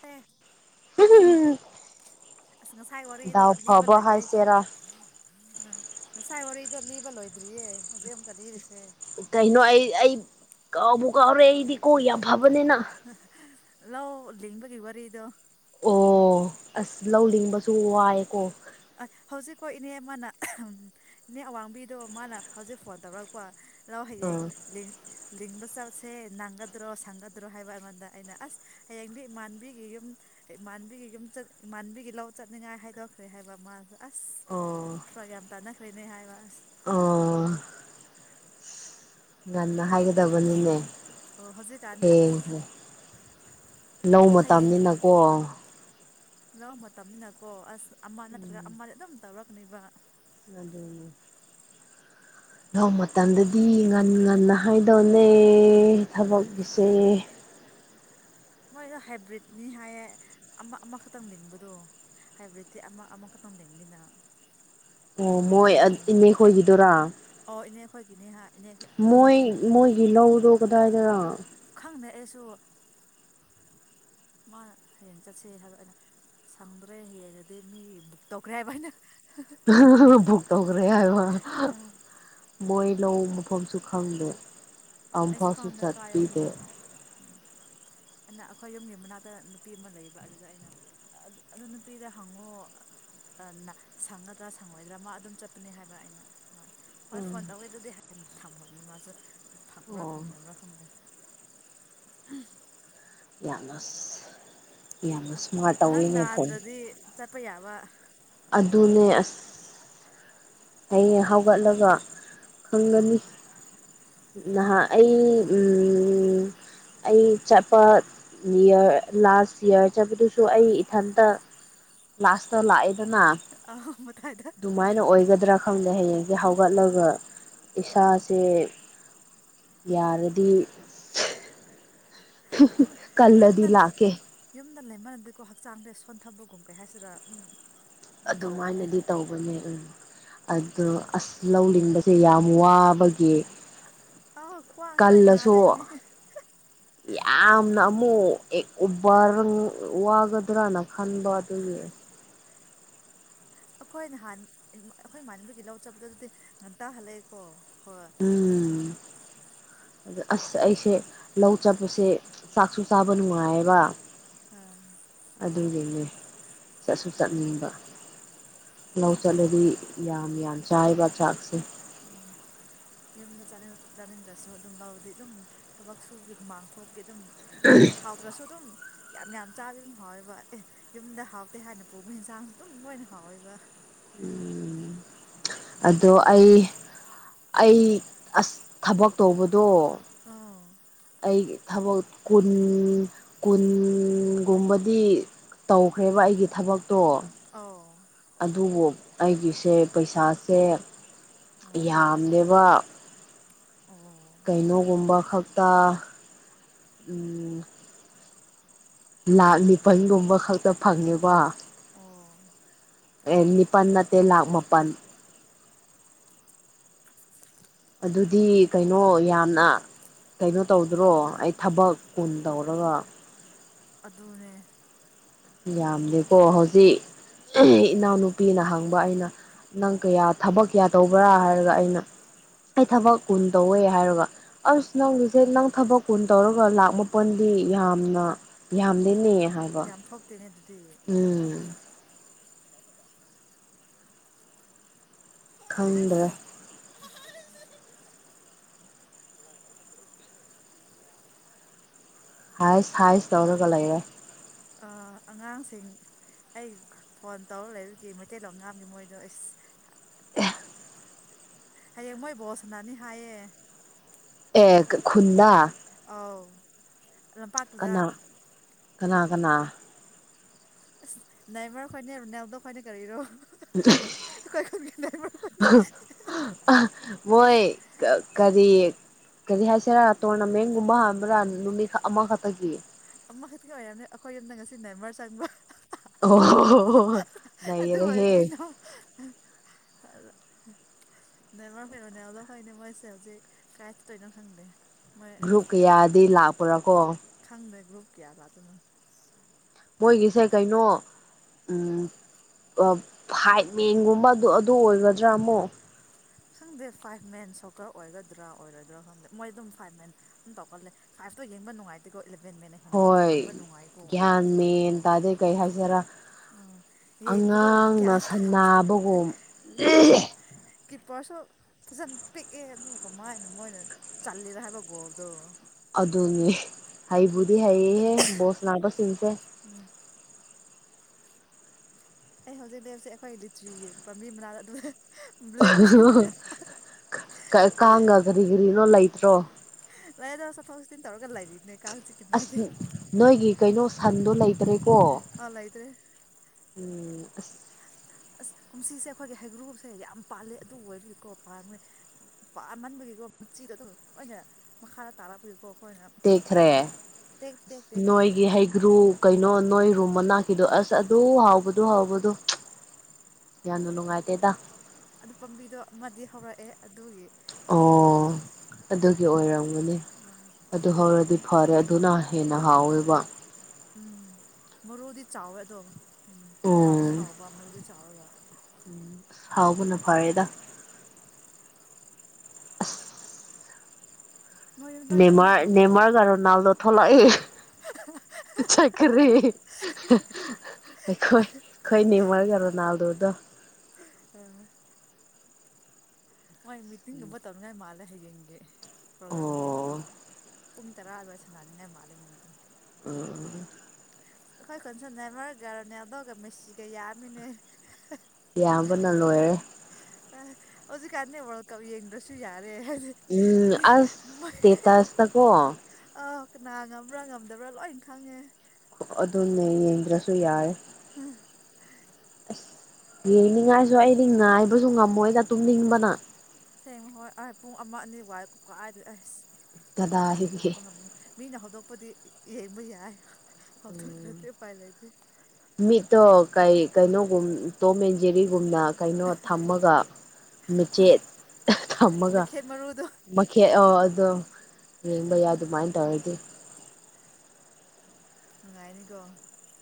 ꯄꯦ ꯎꯝ ꯑꯁ ꯉꯁꯥꯏ ꯋꯥꯔꯤꯗꯣ ꯂꯤꯕ ꯂꯣꯏꯗ꯭ꯔꯤ ꯍꯥꯏꯁꯦꯔꯥ ꯉꯁꯥꯏ ꯋꯥꯔꯤꯗꯣ ꯂꯤꯕ ꯂꯣꯏꯗ꯭ꯔꯤꯌꯦ ꯍꯧꯖꯤꯛ ꯑꯃꯨꯛꯀ ꯂꯤꯔꯤꯁꯦ ꯀꯩꯅꯣ ꯑꯩ ꯑꯩ ꯀꯕꯨꯨ ꯀꯥꯎꯔꯦ ꯑꯩꯗꯤ ꯀꯣꯕ ꯂ ꯂ ꯂꯤꯡꯕꯒꯤ ꯋꯥꯔꯤꯗꯣ ꯑꯣ ꯑꯁ ꯂꯧꯅꯤꯡꯤꯡꯕꯁꯨ ꯋꯥꯏꯑꯀꯣ ꯑ ꯍꯧꯖꯤꯛꯀꯣ ꯏꯅꯦ ꯃꯥꯅ ꯏꯅꯦ ꯑꯋꯥꯡꯕꯤꯗꯣ ꯃꯥꯅ ꯍꯧꯖꯤꯛ ꯐꯣꯟ ꯇꯧꯔꯛꯄ ꯂꯣ ꯍ ꯌꯦꯡ ꯑꯥ ꯂ ꯂꯤꯡꯕ ꯆꯠꯁꯦ ꯪꯒꯗ꯭ꯔꯣ ꯁꯪꯒꯗ꯭ꯔꯣ ꯍꯥꯏꯕ ꯑꯃꯉꯗ ꯑꯩꯅ ꯑꯁ ꯍꯌꯦꯡꯗꯤ ꯏꯃꯥꯟꯕꯤꯒꯤ ꯌꯨꯝ ꯏꯃꯥꯟꯕꯤꯒꯤ ꯌꯨꯝ ꯆꯠ ꯏꯃꯥꯟꯕꯤꯒꯤ ꯂꯧ ꯆꯠꯅꯤꯡꯉꯥꯏ ꯍꯥꯏꯗꯣꯛꯈ꯭ꯔꯦ ꯍꯥꯏꯕ ꯃꯥ ꯑꯁ ꯑꯣ ꯄ꯭ꯔꯥꯒ꯭ ꯌꯥꯝ ꯇꯥꯟꯅꯈ꯭ꯔꯦꯅꯦ ꯍꯥꯏꯕ ꯑꯁ ꯑꯣ ꯉꯟꯅ ꯍꯥꯏꯒꯗꯕꯅꯤꯅꯦ ꯑꯣ ꯍꯧꯖꯤꯛꯀꯥꯟꯗꯤ ꯑꯁ ꯊꯦꯡꯈ꯭ꯔꯦ ꯂꯧ ꯃꯇꯝꯅꯤꯅꯀꯣ ꯂ ꯃꯇꯝꯅꯤꯅꯀꯣ ꯑꯁ ꯑꯃ ꯅꯠꯇ꯭ꯔꯒ ꯑꯃ ꯑꯗꯨꯝ ꯇꯧꯔꯛꯅꯦꯕ ꯑꯗꯨ ꯅꯣꯡ ꯃꯇꯝꯗꯗꯤ ꯉꯟ ꯉꯟꯅ ꯍꯥꯏꯗꯧꯅꯦ ꯎꯝ ꯊꯕꯛꯀꯤꯁꯦ ꯃꯣꯏꯗꯣ ꯍꯥꯏꯕ꯭ꯔꯤꯠꯅꯤ ꯍꯥꯏꯌꯦ ꯑꯃ ꯑꯃꯈꯛꯇꯪ ꯂꯤꯡꯕꯗꯣ ꯍꯥꯏꯕꯦꯇ ꯑ ꯑꯃꯃꯛ ꯈꯇꯪ ꯂꯩꯝꯕꯤꯅ ꯑꯣ ꯃꯣꯏ ꯏꯅꯦ ꯍꯣꯏꯒꯤꯗꯔꯥ ꯐꯒꯤꯅꯤ ꯍꯥꯏ ꯏꯅꯦ ꯏꯅꯦ ꯃꯣꯏ ꯑꯩꯈꯣꯏꯅ ꯃꯣꯏꯒꯤ ꯂꯧꯗꯣ ꯀꯗꯥꯏꯗꯅ ꯈꯪꯗꯦ ꯑꯩꯁꯨ ꯃꯥꯅ ꯍꯌꯦꯡ ꯆꯠꯁ ꯍꯥꯏꯕ ꯑꯩꯅ ꯁꯪꯗ꯭ꯔꯦ ꯍꯡꯉꯗꯤ ꯃꯤ ꯕꯨꯛ ꯇꯧꯈ꯭ꯔꯦ ꯍꯥꯏꯕ ꯍꯥꯏꯅ ꯐꯨ ꯇꯧꯒꯔ ꯃꯣꯏ ꯂ ꯐꯝꯐꯝꯁꯨ ꯈꯪꯗꯦ ꯑꯩꯁꯨ ꯑꯝꯐꯥꯎꯁꯨ ꯀꯥꯟꯗ ꯀꯥꯏꯗꯅꯣ ꯆꯠꯄꯤꯗꯦ ꯑꯩꯅ ꯑꯩꯈꯣꯏ ꯌꯨꯝꯒꯤ ꯃꯅꯥꯛꯇ ꯅꯨꯄꯤ ꯑꯃ ꯂꯩꯕ ꯑꯗꯨꯗ ꯑꯩꯅ ꯑꯗꯨ ꯅꯨꯄꯤꯗ ꯍꯪꯉꯣ ꯁꯪꯒꯗ꯭ꯔꯥ ꯁꯪꯉꯣꯏꯗ꯭ꯔꯥ ꯃꯥ ꯑꯗꯨꯝ ꯆꯠꯄꯅꯤ ꯍꯥꯏꯕ ꯑꯩꯅ ꯃꯥ ꯃꯥꯅꯤ ꯍꯣꯏ ꯎꯝ ꯐꯣꯟ ꯇꯧꯋꯦ ꯑꯗꯨꯗꯤ ꯍ ꯊꯝꯈ꯭ꯔꯕꯅꯤ ꯃꯥꯁꯨ ꯊꯝ ꯕ꯭ꯔꯥ ꯑꯣ ꯐꯪꯗꯕ꯭ꯔꯥ ꯈꯪꯗꯦ ꯌꯥꯅ ꯌꯥꯅ ꯅꯪ ꯅꯥꯗ꯭ꯔꯗꯤ ꯆꯠꯄ ꯌꯥꯕ ꯑꯗꯨꯅꯦ ꯑꯁ ꯍꯡ ꯍꯧꯒꯠꯂꯒ ꯈꯪꯒꯅꯤ ꯅꯍꯥꯛ ꯑꯩ ꯑꯩ ꯆꯠꯄ ꯏꯔ ꯂꯥꯁ ꯏꯌꯥꯔ ꯆꯠꯄꯗꯨꯁꯨ ꯑꯩ ꯏꯊꯟꯇ ꯂꯥꯁꯇ ꯂꯥꯛꯏꯦꯗꯅ ꯑꯍ ꯃꯇꯥꯏꯗ ꯑꯗꯨꯃꯥꯏꯅ ꯑꯣꯏꯒꯅꯤ ꯄꯥꯈꯪꯗ ꯍꯌꯦꯡꯁꯦ ꯍꯧꯒꯠꯂꯒ ꯏꯁꯥꯁꯦ ꯌꯥꯔꯗꯤ ꯀꯂꯗꯤ ꯂꯥ ꯀ ꯁꯝꯗ ꯂꯩꯃꯥꯟꯅꯗꯗꯤꯀꯣ ꯍꯛꯆꯥꯡꯗꯩ ꯁꯣꯟꯊꯕꯒꯨꯝ ꯀꯩ ꯍꯥꯏꯁꯤꯔ ꯎꯝ ꯑꯗꯨꯝ ꯇꯧꯕꯅꯦ ꯑꯗꯨꯃꯥꯏꯅꯗꯤ ꯇꯧꯕꯅꯦ ꯎꯝ ꯑꯗꯣ ꯑꯁ ꯂꯧꯅꯤꯡꯕ ꯁꯦ ꯌꯥꯝ ꯋꯥꯕꯒꯤ ꯑꯥ ꯈ꯭ꯋꯥꯡ ꯂꯣꯏ ꯀꯜꯂꯁꯨ ꯅꯥꯗꯣꯏꯅꯦ ꯌꯥꯝꯅ ꯑꯃꯨꯛ ꯑꯦ ꯎꯕ ꯋꯥꯒꯗ꯭ꯔꯅ ꯈꯟꯕ ꯑꯗꯨꯒꯤ ꯑꯩꯈꯣꯏ ꯅꯍꯥꯟ ꯑꯩꯈꯣꯏ ꯏꯃꯅꯗꯨꯒꯤ ꯂꯧ ꯆꯕꯗ ꯑꯗꯨꯗꯤ ꯉꯟꯇꯥ ꯍꯜꯂꯛꯑꯦꯀꯣ ꯍꯣꯏ ꯎꯝ ꯑ ꯑꯁ ꯑꯩꯁꯦ ꯂꯧ ꯆꯠꯄꯁꯦ ꯆꯥꯛꯁꯨ ꯆꯥꯕ ꯅꯨꯡꯉꯥꯏꯌꯦꯕ ꯑ ꯑꯗꯨꯗꯨꯅꯦ ꯆꯠꯁꯨ ꯆꯠꯅꯤꯡꯕ ꯂꯧ ꯆꯠꯂꯗꯤ ꯌꯥꯝ ꯌꯥꯝ ꯆꯥꯏꯕ ꯆꯥꯛꯁꯦ ꯎꯝ ꯌꯨꯝꯗ ꯆꯥꯅꯤꯡꯗ꯭ꯔꯁꯨ ꯑꯗꯨꯝ ꯂꯧꯔꯗꯤ ꯑꯗꯨꯝ ꯊꯕꯛ ꯁꯨꯕꯒꯤ ꯍꯨꯃꯥꯡ ꯊꯣꯛꯄꯈꯤ ꯑꯗꯨꯝ ꯀ ꯍꯥꯏ ꯍꯥꯎꯗ꯭ꯔꯁꯨ ꯑꯗꯨꯝ ꯌꯥꯝ ꯌꯥꯝ ꯆꯥꯕꯗꯤ ꯑꯗꯨꯝ ꯍꯥꯎꯋꯦꯕ ꯑꯦ ꯌꯨꯝꯗ ꯍꯥꯎꯇꯦ ꯍꯥꯏꯅ ꯄꯨꯕ ꯌꯦꯟꯁꯥꯡꯁꯨ ꯑꯗꯨꯝ ꯂꯣꯏꯅ ꯍꯥꯎꯋꯦꯕ ꯎꯝ ꯑꯗꯣ ꯑꯩ ꯑꯩ ꯑꯁ ꯊꯕꯛ ꯇꯧꯕꯗꯣ ꯑꯥ ꯑꯩꯒꯤ ꯊꯕꯛ ꯀꯨꯟ ꯀꯨꯟꯒꯨꯝꯕꯗꯤ ꯇꯧꯈ꯭ꯔꯦꯕ ꯑꯩꯒꯤ ꯊꯕꯛꯇꯣ ꯑꯧ ꯑꯗꯨꯕꯨ ꯑꯩꯒꯤꯁꯦ ꯄꯩꯁꯥꯁꯦ ꯑꯥ ꯌꯥꯝꯅꯦꯕ ꯑꯣ ꯀꯩꯅꯣꯒꯨꯝꯕ ꯈꯛꯇ ꯂꯥꯈ ꯅꯤꯄꯜꯒꯨꯝꯕ ꯈꯛꯇ ꯐꯪꯅꯤꯕ ꯑꯣ ꯑꯦꯅꯤꯄꯥꯟꯅ ꯂ ꯃꯄꯥꯟ ꯑꯗꯨꯗꯤ ꯀꯩꯅꯣ ꯌꯥꯝꯅ ꯀꯩꯅꯣ ꯇꯧꯗ꯭ꯔꯣ ꯑꯩ ꯊꯕꯛ ꯀꯨꯟ ꯇꯧꯔꯒ ꯑꯗꯨꯗꯅꯦ ꯌꯥꯝꯗꯦꯀꯣ ꯍꯧꯖꯤꯛ ꯏꯅꯥꯎꯅꯨ ꯅꯨꯄꯤꯅ ꯍꯪꯕ ꯑꯩꯅ ꯅꯪ ꯀꯌꯥ ꯊꯕꯛ ꯀꯌꯥ ꯇꯧꯕ꯭ꯔꯥ ꯍꯥꯏꯔꯒ ꯑꯩꯅ ꯑꯩ ꯊꯕꯛ ꯀꯨꯟ ꯇꯧꯋꯦ ꯍꯥꯏꯒ ꯑꯁ ꯅꯪꯒꯤꯁꯦ ꯅꯪ ꯊꯕꯛ ꯀꯨꯟ ꯇꯧꯔꯒ ꯂꯥꯛ ꯃꯥꯄꯜꯗꯤ ꯌꯥꯝꯅ ꯌꯥꯝꯗꯦꯅꯦꯌꯦ ꯌꯥꯝ ꯊꯣꯛꯇꯦꯅꯦ ꯑꯗꯨꯗꯤ ꯎꯝ ꯈꯪꯗ꯭ꯔꯦ [unintelligible] [inaudible] ꯍꯥꯏꯁ ꯍꯥꯏꯁ ꯇꯧꯔꯒ ꯂꯩꯔꯦ ꯑꯉꯥꯡꯁꯤꯡ ꯑꯩ ꯐꯣꯟ ꯇꯧꯔꯒ ꯂꯩꯔꯗꯤ ꯃꯩꯇꯩꯂꯣꯟ ꯉꯥꯡꯕꯅꯦ ꯃꯣꯏꯗꯣ ꯑꯤꯁ ꯑꯦ ꯍꯌꯦꯡ ꯃꯣꯏ ꯕꯣꯜꯁꯥꯟꯅꯅꯤ ꯍꯥꯏꯌꯦ ꯑꯦ ꯈꯨꯟꯗ ꯑꯥꯎ ꯂꯝꯄꯥꯛꯇꯨꯗ ꯀꯅꯥ ꯀꯅꯥ ꯀꯅꯥ ꯅꯥꯏꯃꯥꯔ ꯈꯣꯏꯅꯦ ꯔꯣꯅꯥꯜꯗꯣ ꯈꯣꯏꯅꯦ ꯀꯔꯤꯅꯣ ꯈꯣꯏꯅꯦ ꯑ [unintelligible] [inaudible] ꯃꯣꯏ ꯀꯔꯤ ꯀꯔꯤ ꯍꯥꯏꯁꯤꯔꯥ ꯇꯣꯔꯅꯥꯃꯦꯟꯒꯨꯝꯕ ꯍꯥꯟꯕ꯭ꯔꯥ ꯅꯨꯃꯤꯠ ꯑꯃꯈꯛꯇꯒꯤ ꯑꯃꯈꯛꯇꯒꯤ ꯑꯣꯏꯔꯝꯅꯤ ꯑꯩꯈꯣꯏ ꯌꯨꯝꯗ ꯉꯁꯤ ꯅꯥꯏꯃꯔ ꯆꯪꯕ ꯑꯣ ꯍꯣ ꯍꯣ ꯑꯗꯨ ꯑꯣꯏ ꯀꯩꯅꯣ [unintelligible] [inaudible] ꯅꯦꯃꯥꯔ ꯍꯣꯏ ꯔꯣꯅꯥꯜꯗꯣ ꯍꯣꯏꯅꯦ ꯃꯣꯏꯁꯦ ꯍꯧꯖꯤꯛ ꯀꯥꯏ ꯆꯠꯇꯣꯏꯅꯣ ꯈꯪꯗꯦ ꯃꯣꯏ ꯒ꯭ꯔꯨꯞ ꯀꯌꯥꯗꯤ ꯂꯥꯛꯄ꯭ꯔꯥꯀꯣ ꯭ꯒ꯭ꯔꯨꯨꯞ ꯀꯌꯥ ꯂꯥꯛꯇꯣꯏꯅꯣ ꯃꯣꯏꯒꯤꯁꯦ ꯀꯩꯅꯣ ꯐꯥꯏꯄ ꯃꯦꯟꯒꯨꯝꯕꯗꯨ ꯑꯗꯨ ꯑꯣꯏꯒꯗ꯭ꯔꯥ ꯑꯃꯨꯛ ꯈꯪꯗꯦ ꯐꯥꯏꯚ ꯃꯦꯟ ꯁꯣꯀꯔ ꯑꯣꯏꯒꯗ꯭ꯔꯥ ꯑꯣꯏꯔꯣꯏꯗ꯭ꯔꯥ ꯈꯪꯗꯦ ꯃꯣꯏ ꯑꯗꯨꯝ ꯐꯥꯏꯚ ꯃꯦꯟ ꯑꯗꯨꯝ ꯇꯧꯒꯜꯂꯦ ꯐꯇꯣ ꯌꯦꯕ ꯅꯨꯡꯉꯥꯏꯇꯦꯀꯣ ꯏꯂꯚꯦꯟ ꯃꯦꯟꯅ ꯍꯦꯟꯅ ꯍꯣꯏ ꯌꯦꯡꯕ ꯅꯨꯡꯉꯥꯏꯀꯣ ꯒ꯭ꯌꯥꯟ ꯃꯦꯟ ꯇꯗꯩ ꯀꯩ ꯍꯥꯏꯁꯦꯔꯥ ꯑꯥ ꯌꯦꯡꯕꯗꯣ ꯑꯉꯥꯡꯅ ꯒ꯭ꯌꯥꯟ ꯇꯥꯗꯦ ꯁꯥꯟꯅꯕꯒꯨꯝ ꯀꯤꯞꯄꯔꯁꯨ ꯐꯖꯅ ꯄꯤꯛꯑꯦ ꯑꯗꯨꯒ ꯀꯃꯥꯏꯅ ꯃꯣꯏꯅ ꯆꯜꯂꯤꯔ ꯍꯥꯏꯕ ꯒꯣꯜꯗꯣ ꯑꯗꯨꯅꯦ ꯍꯩꯕꯨꯗꯤ ꯍꯩꯍꯦ ꯕꯣꯜꯁꯅꯥꯟꯕꯁꯤꯡꯁꯦ ꯎꯝ ꯑꯩ ꯍꯧꯖꯤꯛ ꯂꯩꯕꯁꯦ ꯑꯩꯈꯣꯏ ꯂꯤꯆꯤꯒꯤ ꯄꯥꯝꯕꯤ ꯃꯅꯥꯗ ꯑꯗꯨ ꯂꯦꯞꯄꯒꯤ ꯀꯥꯡꯒ ꯀꯔꯤ ꯀꯔꯤꯅꯣ ꯂꯩꯇ꯭ꯔꯣ ꯂꯥꯏꯗ ꯆꯠꯊꯣꯛ ꯆꯠꯁꯤꯟ ꯇꯧꯔꯒ ꯂꯩꯔꯤꯕꯅꯦ ꯑꯁ ꯅꯣꯏꯒꯤ ꯀꯩꯅꯣ ꯁꯟꯗꯣ ꯂꯩꯇ꯭ꯔꯦꯀꯣ ꯑꯥ ꯂꯩꯇ꯭ꯔꯦ ꯎꯝ ꯑꯁ ꯀꯨꯝꯁꯤꯁꯦ ꯑꯩꯈꯣꯏꯒꯤ ꯍꯩꯒ꯭ꯔꯨꯁꯦ ꯌꯥꯝ ꯄꯥꯜꯂꯤ ꯑꯗꯨ ꯑꯣꯏꯕꯒꯤꯀꯣ ꯄꯥꯃꯟꯕꯒꯤ ꯎꯆꯤꯗꯣ ꯑꯗꯨꯝ ꯂꯣꯏꯅ ꯃꯈꯥꯗ ꯇꯥꯔꯛꯄꯒꯤꯀꯣ ꯑꯩꯈꯣꯏꯅ ꯇꯦꯛꯈ꯭ꯔꯦ ꯇꯦꯛ ꯇꯦꯛꯇꯦ ꯅꯣꯏꯒꯤ ꯍꯩꯒ꯭ꯔꯨ ꯀꯩꯅꯣ ꯅꯣꯏ ꯔꯨꯝꯕ ꯃꯅꯥꯛꯀꯤꯗꯣ ꯑꯁ ꯑꯗꯨ ꯍꯥꯎꯕꯗꯨ ꯍꯥꯎꯕꯗꯨ ꯌꯥꯝꯅ ꯅꯨꯡꯉꯥꯏꯇꯦꯗ ꯑꯗꯨ ꯄꯥꯝꯕꯤꯗꯣ ꯑꯃꯗꯤ ꯍꯧꯔꯛꯑꯦ ꯑꯗꯨꯒꯤ ꯑꯣ ꯑꯗꯨꯒꯤ ꯑꯣꯏꯔꯝꯒꯅꯤ ꯑꯗꯨ ꯍꯧꯔꯗꯤ ꯐꯔꯦ ꯑꯗꯨꯅ ꯍꯦꯟꯅ ꯍꯥꯎꯋꯦꯕ ꯎꯝ ꯃꯔꯨꯗꯤ ꯆꯥꯎꯋꯦ ꯑꯗꯣ ꯎꯝ ꯍꯥꯎꯗꯤ ꯎꯝ ꯍꯥꯎꯕ ꯃꯔꯨꯗꯤ ꯆꯥꯎꯔꯒ ꯍꯥꯎꯕꯅ ꯐꯔꯦꯗ [unintelligible] [unintelligible] ꯅꯣꯏ ꯅꯣꯏ ꯅꯦꯃꯔ ꯇꯨꯝꯅꯈ꯭ꯔꯕꯣ ꯅꯦꯃꯔꯥꯒ ꯔꯣꯅꯥꯜꯗꯣ ꯊꯂꯂꯛ ꯑꯦ ꯆꯀꯔꯤ ꯑꯩꯣꯏ ꯑꯩꯣꯏ ꯅꯤꯃꯔ ꯀꯔꯣ ꯅꯗ ꯑ ꯃꯣꯏ ꯃꯤꯇꯤꯡꯒꯨꯝꯕ ꯇꯧꯅꯤꯉꯥꯏ ꯃꯥꯜꯂꯦ ꯍꯌꯦꯡꯒꯤ ꯄ꯭ꯔꯣꯒ꯭ꯔꯥꯝꯒꯤ ꯑꯣ ꯄꯨꯡ ꯇꯔꯥ ꯑꯗꯨꯋꯥꯏ ꯁꯥꯟꯗꯥꯅꯤꯡꯥꯏ ꯃꯥꯜꯂꯦ ꯃꯨꯡꯗꯣ ꯎ ꯑꯩꯈꯣꯏ ꯀꯣꯟꯁꯟꯅ ꯃꯔ ꯒꯔꯅꯦ ꯑꯗꯨꯒ ꯃꯦꯁꯤꯒ ꯌꯥꯝꯃꯤꯅꯦ ꯏꯌꯥꯝꯕꯅ ꯂꯣꯏꯔꯦ ꯑ ꯍꯧꯖꯤꯛ ꯀꯥꯟꯗ ꯀ ꯌꯦ ꯏꯟꯗ꯭ꯔꯁꯁꯨꯁꯨ ꯌꯥꯔ ꯦ ꯎꯝ ꯑꯁ ꯏꯁꯇꯦꯇꯁꯇꯀꯣ ꯀꯅꯥ ꯉꯝꯕ꯭ꯔꯥ ꯉꯝꯗꯕ꯭ꯔꯥ ꯂꯣꯏꯅ ꯈꯪꯉꯦ ꯑꯗꯨꯅꯦ ꯌꯦꯡꯗ꯭ꯔꯁꯨ ꯌꯥꯔꯦ ꯌꯦꯡꯅꯤꯡꯉꯥꯏꯁꯨ ꯑꯩꯗꯤꯅ ꯍꯥꯏꯕꯁꯨ ꯉꯝꯃꯣꯏꯅ ꯇꯨꯝꯅꯤꯡꯕꯅ ꯁꯁꯦꯡ ꯍꯣꯏ ꯑ ꯄꯨꯡ ꯑꯃ ꯑꯅꯤ ꯋꯥꯏ ꯀꯀꯥꯏꯥꯏꯗ ꯑꯁ ꯀꯅꯥꯅ ꯀꯗꯥꯏꯗꯒꯤ ꯉꯥꯏꯕ ꯉꯝꯗꯣꯏꯅꯣ ꯃꯤꯅ ꯍꯧꯗꯣꯛꯄꯗꯤ ꯌꯦꯡꯕ ꯌꯥꯏ ꯍꯧꯗꯣꯛꯇ꯭ꯔꯗꯤ ꯎꯄꯥꯏ ꯂꯩꯇꯦ ꯎ ꯃꯤꯠꯇꯣ ꯀ ꯀꯩꯅꯣꯒ ꯇꯖꯔꯤ ꯒꯨꯝꯅ ꯀꯩꯅꯣ ꯊꯝꯃꯒ ꯃꯆꯦꯠ ꯊꯝꯃꯒ ꯃꯩꯈꯦꯠ ꯃꯔꯨꯗꯣ ꯃꯈꯦꯠ ꯑꯣ ꯑꯗꯣ ꯌꯦꯡꯕ ꯌꯥꯏ ꯑꯗꯨꯃꯥꯏꯅ ꯇꯧꯔꯗꯤ ꯅꯨꯡꯉꯥꯏꯅꯤꯀꯣ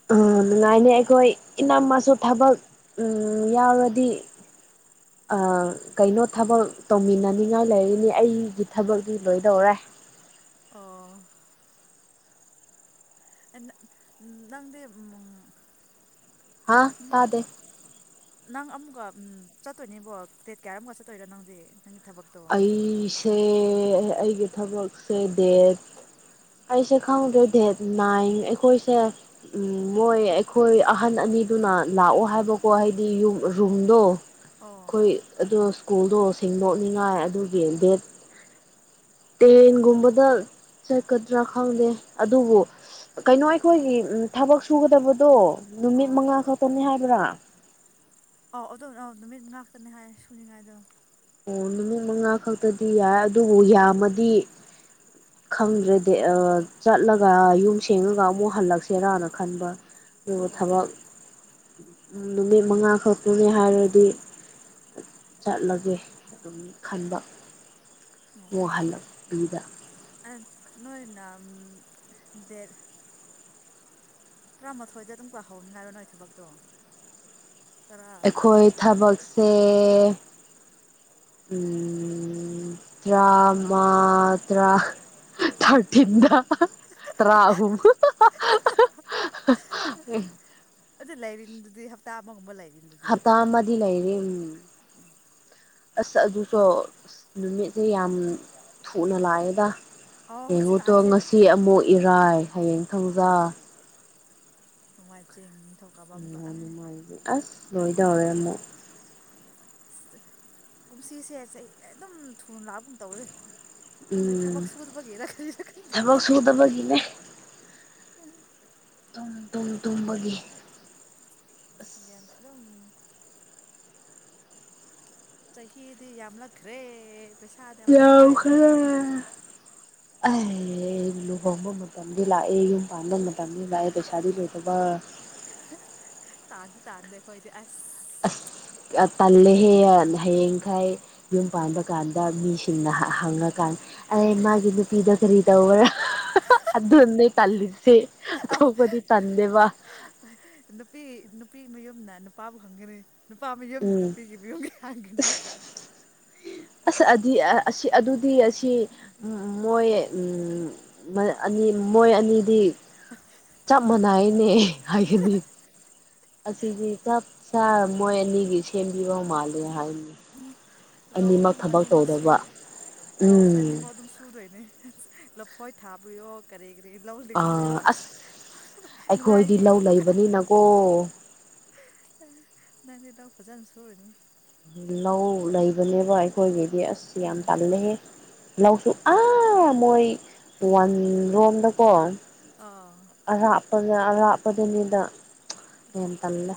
ꯅꯨꯡꯉꯥꯏꯅꯤ ꯑꯩꯈꯣꯏ ꯏꯅꯥꯝꯃꯁꯨ ꯊꯕꯛ ꯌꯥꯎꯔꯗꯤ ꯑ ꯀꯩꯅꯣ ꯊꯕꯛ ꯇꯧꯃꯤꯟꯅꯅꯤꯡꯉꯥꯏ ꯂꯩꯔꯤꯅꯤ ꯑꯩꯒꯤ ꯊꯕꯛꯇꯗꯤꯤ ꯂꯣꯏꯗꯧꯔꯦ [unintelligible] ꯑꯣ ꯅꯪꯗꯤ ꯍꯥꯥ ꯇꯥꯗꯦ ꯅꯪ ꯑꯃꯨꯛꯀ ꯆꯠꯇꯣꯏꯅꯦꯕꯣ ꯗꯦꯠ ꯀꯌꯥꯔ ꯑꯃꯒ ꯆꯠꯇꯣꯏꯅꯣ ꯅꯪꯗꯤ ꯅꯪꯒꯤ ꯊꯕꯛꯇꯣ ꯑꯩꯁꯦ ꯑꯩꯒꯤ ꯊꯕꯛꯁꯦ ꯗꯦꯠ ꯑꯩꯁꯦ ꯈꯪꯗ꯭ꯔꯦ ꯗꯦꯠ ꯅꯥꯏꯟ ꯑꯩꯈꯣꯏꯁꯦ ꯎ ꯃꯣꯏ ꯑꯩꯈꯣꯏ ꯑꯍꯟ ꯃꯤꯗꯨꯅ ꯂꯥꯛꯑꯣ ꯍꯥꯏꯕꯀꯣ ꯍꯥꯏꯗꯤ ꯌꯨꯝ ꯔꯨꯝꯗꯣ ꯑꯣ ꯑꯩꯈꯣꯏ ꯑꯗꯨ ꯁ꯭ꯀꯨꯜꯗꯣ ꯁꯦꯡꯗꯣꯛꯅꯤꯉꯥꯏ ꯑꯗꯨꯒꯤ ꯗꯦꯠ ꯇꯦꯟꯒꯨꯝꯕꯗ ꯆꯠꯀꯗ꯭ꯔꯥ ꯈꯪꯗꯦ ꯑꯗꯨꯕꯨ ꯀꯩꯅꯣ ꯑꯩꯈꯣꯏꯒꯤ ꯊꯕꯛ ꯁꯨꯒꯗꯕꯗꯣ ꯅꯨꯃꯤꯠ ꯑꯣ ꯃꯉꯥ ꯈꯛꯇꯅꯤ ꯍꯥꯏꯕ꯭ꯔꯥ [unintelligible] ꯑꯗꯣꯝꯅ ꯅꯨꯃꯤꯠ ꯉꯥꯛꯇꯅꯦ ꯍꯥꯏ ꯁꯨꯅꯤꯉꯥꯏꯗꯣ ꯑꯣ ꯅꯨꯃꯤꯠ ꯃꯉꯥ ꯈꯛꯇꯗꯤ ꯌꯥꯏ ꯑꯗꯨꯕꯨ ꯌꯥꯝꯃꯗꯤ ꯈꯪꯗ꯭ꯔꯦꯗꯤ ꯆꯠꯂꯒ ꯌꯨꯝ ꯁꯦꯡꯉꯒ ꯑꯃꯨꯛ ꯍꯜꯂꯛꯁꯦꯔꯅ ꯈꯟꯕ ꯑꯗꯨ ꯑꯣ ꯊꯕꯛ ꯅꯨꯃꯤꯠ ꯃꯉꯥꯈꯛꯛꯇꯅꯦ ꯍꯥꯏꯔꯗꯤ ꯆꯠꯂꯒꯦ ꯑꯗꯨꯝ ꯈꯟꯕ ꯃ ꯍꯥꯜꯂꯞ ꯌꯗ ꯅꯅ ꯗꯠ ꯇꯔꯥꯃꯥꯊꯣꯏꯗ ꯑꯗꯨꯝ ꯀꯍꯧꯅꯤ ꯉꯥꯏꯔꯣ ꯅꯣꯏ ꯊꯕꯛꯇꯣ ꯇꯔꯥ ꯑꯩꯈꯣꯏ ꯊꯕꯛꯁꯦ ꯎꯝ ꯇꯔꯥꯃ ꯇ꯭ꯔꯥ ꯊꯤꯟꯗ ꯔꯥꯍꯨ ꯑꯗꯨꯗ ꯂꯩꯥꯏꯔꯤ ꯇꯥꯃꯒꯨꯝꯕ ꯂꯩ ꯍꯞꯇꯥ ꯑꯃꯗꯤ ꯂꯩꯔ ꯎꯝ ꯑꯁ ꯑꯗꯨꯁꯨ ꯅꯨꯃꯤꯠꯁꯦ ꯌꯥꯝ ꯊꯨꯅ ꯂꯥꯛꯑꯦꯗ ꯑꯧ ꯌꯦꯡꯉꯨꯇꯣ ꯍꯧꯖꯤꯛꯀꯥꯟꯁꯦ ꯉꯁꯤ ꯑꯃꯨꯛ ꯏꯔꯥꯏ ꯍꯌꯦꯡ ꯊꯧꯖꯥ ꯃꯖꯦ ꯎ ꯅꯨꯡꯉꯥꯏꯅꯤ ꯑꯁ ꯂꯣꯏ ꯇꯧꯔꯦ ꯑꯃꯨꯛ ꯑꯁ ꯀꯨꯝꯁꯤꯁꯦ ꯑꯗꯨꯝ ꯊꯨꯅ ꯂꯥꯛꯞꯒꯨꯝ ꯇꯧꯋꯦ ꯈꯪꯗꯦ ꯊꯕꯛ ꯎꯝ ꯁꯨꯒꯤꯔ ꯀꯔꯤꯔ ꯈꯪꯗꯦ ꯊꯕꯛ ꯁꯨꯗꯕꯒꯤꯅꯦ ꯑꯗꯨꯝ ꯇꯨꯝ ꯇꯨꯝꯕꯒꯤ ꯒꯦꯟꯗ ꯑꯗꯨ ꯑꯗꯨꯝ ꯆꯍꯤꯗꯤ ꯌꯥꯝꯂꯛꯈ꯭ꯔꯦ ꯄꯩꯁꯥꯗꯤ ꯑꯝꯇ ꯄꯥꯏꯗꯦ ꯌꯥꯝꯈꯔꯦ ꯑꯦ ꯂꯨꯍꯣꯡꯕ ꯃꯇꯝꯗꯤ ꯂꯥꯛꯑꯦ ꯌꯨꯝ ꯄꯥꯟꯕ ꯃꯇꯝꯗꯤ ꯂꯥꯛꯑꯦ ꯄꯩꯁꯥꯗꯤ ꯂꯩꯗꯕ ꯇꯥꯟꯁꯨ ꯇꯥꯟꯗ ꯈꯣꯏꯗꯤ ꯑꯁ ꯑꯁ ꯇꯜꯂꯦ ꯍꯦ ꯍꯌꯦꯡꯈꯩ ꯌꯨꯝ ꯄꯥꯟꯕ ꯀꯥꯟꯗ ꯃꯤꯁꯤꯡꯅ ꯍꯪꯉꯀꯥꯟꯗ ꯑꯩ ꯃꯥꯒꯤꯅ ꯅꯨꯄꯤꯗꯣ ꯀꯔꯤ ꯇꯧꯕ꯭ꯔ ꯑꯗꯨꯅꯦ ꯇꯜꯂꯤꯖꯦ ꯑꯧ ꯑꯇꯣꯞꯄꯗꯤ ꯇꯟꯗꯦꯕ ꯅꯨꯄꯤ ꯅꯨꯄꯤ ꯃꯌꯨꯝꯅ ꯅꯨꯄꯥꯕꯨ ꯈꯪꯒꯅꯤ ꯅꯨꯄꯥ ꯃꯌꯨꯝꯗ ꯎꯝ ꯅꯨꯄꯤꯒꯤ ꯃꯌꯨꯝꯒꯤ ꯍꯥꯡꯒꯅꯤ ꯑꯁ ꯑꯗꯨꯗꯤ ꯑꯁꯤ ꯃꯣꯏ ꯎꯝ ꯃꯣꯏ ꯑꯅꯤꯗꯤ ꯆꯞ ꯃꯥꯟꯅꯩꯅꯦ ꯍꯥꯏꯒꯅꯤ ꯑꯁꯤꯗꯤ ꯆꯞ ꯆꯥ ꯃꯣꯏ ꯑꯅꯤꯒꯤ ꯁꯦꯝꯕꯤꯕ ꯃꯥꯂꯦ ꯍꯥꯏꯅꯤ ꯂꯧ ꯑꯅꯤꯃꯛ ꯑꯗꯨꯝ ꯊꯕꯛ ꯑꯅꯤꯃꯛ ꯁꯨ ꯇꯧꯗꯕ ꯂꯧꯁꯦ ꯎꯝ ꯑꯅꯤꯃꯛ ꯑꯗꯨꯝ ꯁꯨꯗꯣꯏꯅꯦ ꯂꯐꯣꯏ ꯊꯥꯕꯤꯌꯣ ꯀꯔꯤ ꯀꯔꯤ ꯂꯧ ꯂꯤꯡꯕꯤꯌꯣ ꯑꯁ ꯑꯩꯈꯣꯏꯗꯤ ꯅꯨꯡꯉꯥꯏꯅꯤ ꯂꯧ ꯑꯃꯨꯛꯀ ꯂꯩꯕꯅꯤꯅꯀꯣ [inaudible] ꯅꯪꯗꯤ ꯂꯧ ꯐꯖꯥꯅ ꯁꯨꯔꯅꯤ ꯂꯧ ꯂꯩꯕꯅꯦꯕ ꯑꯩꯈꯣꯏꯒꯤꯗꯤ ꯑꯁ ꯌꯥꯝ ꯎꯝ ꯇꯜꯂꯦꯍꯦ ꯂꯧꯁꯨ ꯑꯥ ꯃꯣꯏ ꯋꯥꯟ ꯔꯣꯝꯗꯀꯣ ꯑꯥ ꯑꯗꯥ ꯑꯔꯥꯞꯄꯗꯨꯅꯤꯗ ꯌꯥꯝ ꯇꯜꯂꯦ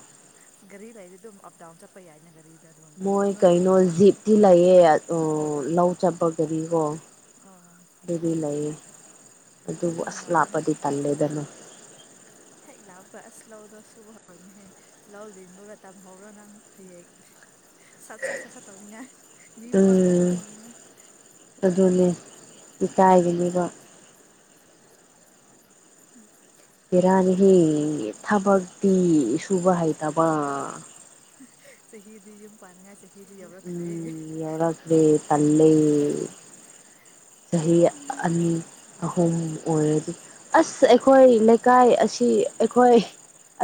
ꯒꯥꯔꯤ ꯂꯩꯔꯤ ꯑꯗꯨꯝ ꯑꯞꯗꯥꯎꯟ ꯆꯠꯄ ꯌꯥꯏꯅꯦ ꯒꯥꯔꯤ ꯃꯣꯏ ꯀꯩꯅꯣ ꯖꯤꯞꯇꯤ ꯂꯩꯌꯦ ꯑꯣ ꯂꯧ ꯆꯠꯄ ꯒꯥꯔꯤꯀꯣ ꯑꯣ ꯑꯗꯨꯗꯤ ꯂꯩꯌꯦ ꯑꯗꯨꯕꯨ ꯑꯗꯨꯗꯤ ꯑꯁ ꯅꯨꯡꯉꯥꯏꯅꯤ ꯂꯥꯞꯄꯗꯤ ꯇꯜꯂꯦꯗ ꯅꯨ ꯍꯦꯛ ꯂꯥꯒ ꯑꯁ ꯂꯧꯗꯣ ꯁꯨꯍꯧꯔꯅꯤꯍꯦ ꯂꯧ ꯂꯤꯡꯕꯒ ꯇꯝꯍꯧꯔꯣ ꯅꯪ ꯍꯌꯦꯡ ꯁꯥ ꯁꯠ ꯁꯥꯇꯧꯉꯥꯏ ꯃꯤ ꯃꯃꯥꯡꯅ ꯎꯝ ꯆꯠꯂꯅꯤ ꯏꯀꯥꯏꯒꯅꯤꯕ ꯎꯝ ꯏꯔꯥꯅꯤ ꯍꯦ ꯊꯕꯛꯇꯤ ꯁꯨꯕ ꯍꯩꯇꯕ ꯆꯍꯤꯍꯤꯗꯤꯨꯝ ꯄꯥꯟꯅꯉꯥꯏꯁꯤ ꯌꯨꯝ ꯌꯧꯔꯛꯂꯦ ꯇꯜꯂꯦ ꯆꯍꯤ ꯑꯅꯤ ꯑꯍꯨꯝ ꯑꯣꯏꯔꯗꯤ ꯑꯁ ꯑꯩꯈꯣꯏ ꯂꯩꯀꯥꯏ ꯑꯁꯤ ꯑꯩꯈꯣꯏ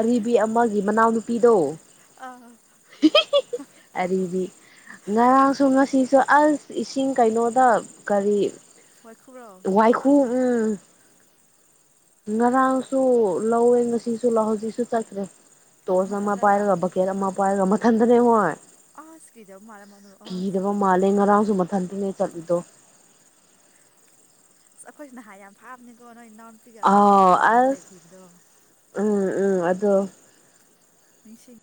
ꯑꯔꯤꯕ ꯑꯃꯒꯤ ꯃꯅꯥꯎꯅꯨꯄꯤꯗꯣ ꯑꯥ ꯑꯔꯤꯕꯤ ꯉꯥꯔꯥꯡꯁꯨ ꯁꯤꯁꯨ ꯑꯁ ꯏꯁꯤꯡ ꯀꯩꯅꯣꯗ ꯀꯔꯤ ꯋꯥꯏꯈꯨꯔꯣ ꯋꯥꯏꯈꯨ ꯎꯝ ꯉꯔꯥꯡꯁꯨ ꯂꯧꯋꯦ ꯉꯁꯤꯁꯨ ꯂꯧ ꯍꯧꯖꯤꯛꯁꯨ ꯆꯠꯈ꯭ꯔꯦ ꯇꯣꯁ ꯑꯃ ꯃꯊꯟꯇꯔꯥ ꯄꯥꯏꯔꯒ ꯕꯀꯦꯠ ꯑꯃ ꯄꯥꯏꯔꯒ ꯃꯊꯟꯗꯅꯦ ꯍꯣꯏ ꯑꯁ ꯀꯤꯗꯕ ꯃꯥꯗꯣ ꯀꯣ ꯑꯁ ꯑꯗꯨ ꯃꯊꯟꯇꯅꯦ ꯆꯠꯂꯤꯗꯣ ꯑꯁ ꯑꯩꯈꯣꯏꯁꯨ ꯅꯍꯥꯟ ꯌꯥꯝ ꯐꯥꯕꯅꯤꯀꯣ ꯅꯣꯏ ꯏꯅꯥꯎꯅ ꯅꯨꯄꯤꯒ ꯑꯃ ꯑꯥꯎ ꯅꯨꯄꯥꯥꯟ ꯑꯝꯗ ꯑꯁ ꯂꯩ ꯐꯕꯗꯣ ꯎꯝ ꯎꯝ ꯑꯗꯣ ꯅꯤꯡꯁꯤꯡ